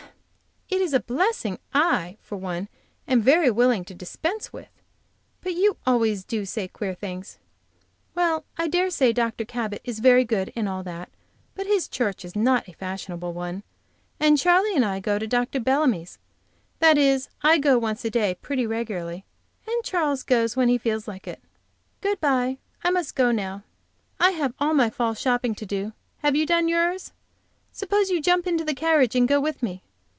It is a blessing I, for one, am very willing to dispense with. But you always did say queer things. Well, I dare say Dr. Cabot is very good and all that, but his church is not a fashionable one, and Charley and I go to Dr. Bellamy's. That is, I go once a day, pretty regularly, and Charley goes when he feels like it. Good by. I must go now; I have all my fall shopping to do. Have you done yours? Suppose you jump into the carriage and go with me?